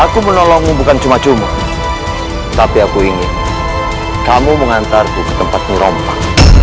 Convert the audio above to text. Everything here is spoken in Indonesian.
aku menolongmu bukan cuma cuma tapi aku ingin kamu mengantarku ke tempat miropa